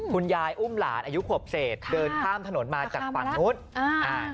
คุณยายอุ้มหลานอายุขวบเศษเดินข้ามถนนมาจากฝั่งนู้นอ่าอ่า